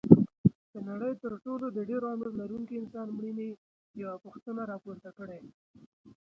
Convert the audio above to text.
د نړۍ تر ټولو د ډېر عمر لرونکي انسان مړینې یوه پوښتنه راپورته کړې.